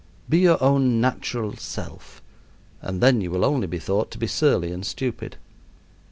Be your own natural self, and then you will only be thought to be surly and stupid.